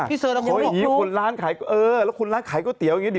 คุณร้านขายแล้วคุณร้านขายก๋อเตี๋ยวอย่างนี้